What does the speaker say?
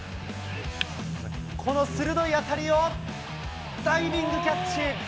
この鋭い当たりを、ダイビングキャッチ。